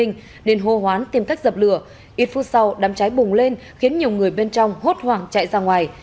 nên hô hoán tìm cách dập lửa ít phút sau đám cháy bùng lên khiến nhiều người bên trong hốt hoảng chạy ra ngoài